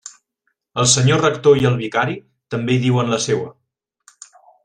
El senyor rector i el vicari també hi diuen la seua.